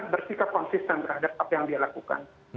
bersikap konsisten terhadap apa yang dilakukan